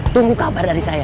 tunggu kabar dari saya